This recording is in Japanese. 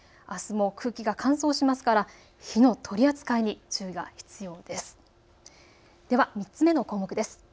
あすも空気が乾燥しますから火の取り扱いに注意が必要です。